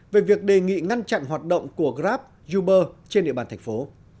về việc đề nghị ngăn chặn hoạt động của grab uber trên địa bàn thành phố